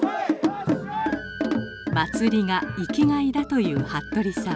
祭りが生きがいだと言う服部さん。